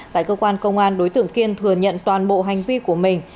tại cơ quan công an đối tượng kiên thừa nhận toàn bộ hành vi của mình